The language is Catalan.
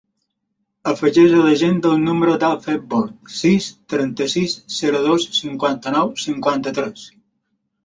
Afegeix a l'agenda el número de l'Acfred Bort: sis, trenta-sis, zero, dos, cinquanta-nou, cinquanta-tres.